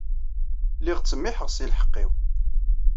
Lliɣ ttsemmiḥeɣ seg lḥeqq-inu.